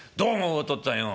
お父っつぁんよう」。